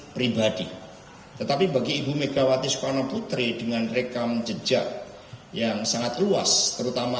pribadi tetapi bagi ibu megawati soekarno putri dengan rekam jejak yang sangat luas terutama